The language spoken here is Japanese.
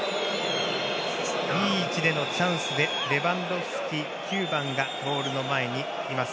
いい位置でのチャンスで９番のレバンドフスキがボールの前にいます。